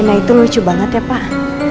nah itu lucu banget ya pak